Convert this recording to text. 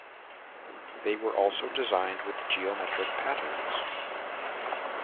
They were also designed with geometric patterns.